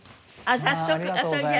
早速それじゃあ。